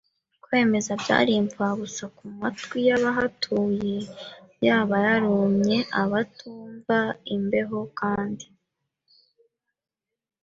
Kwemeza byari impfabusaKu matwi yabahatuyeYaba yarumye abatumva imbeho Kandi